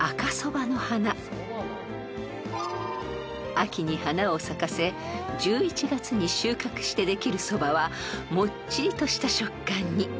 ［秋に花を咲かせ１１月に収穫してできるそばはもっちりとした食感に］